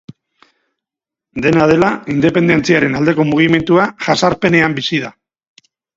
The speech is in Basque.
Dena dela, independentziaren aldeko mugimendua jazarpenean bizi da.